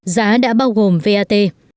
giá đã bao gồm vat